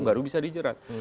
baru bisa dijerat